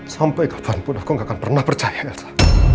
sampai kapanpun aku gak akan pernah percaya kata